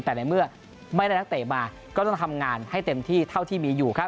แต่ในเมื่อไม่ได้นักเตะมาก็ต้องทำงานให้เต็มที่เท่าที่มีอยู่ครับ